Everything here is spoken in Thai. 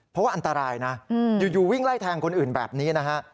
เพราะว่าอันตรายนะอยู่วิ่งไล่แทงคนอื่นแบบนี้นะฮะ